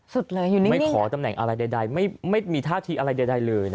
สุดเลยทีนี้ไม่ขอตำแหน่งอะไรใดไม่มีท่าทีอะไรใดเลย